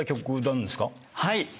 はい！